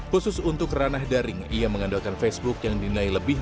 khusus untuk ranah daring ia mengandalkan facebook yang dinilai lebih